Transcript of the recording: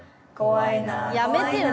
やめてよ